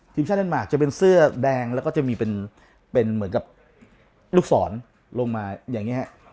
ทีมชาติเดนมาร์คจะเป็นเสื้อแดงแล้วก็จะมีเป็นเหมือนกับลูกศรลงมาอย่างนี้ฮะ